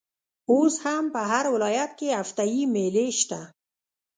اوس هم په هر ولايت کښي هفته يي مېلې سته.